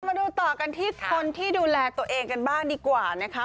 มาดูต่อกันที่คนที่ดูแลตัวเองกันบ้างดีกว่านะคะ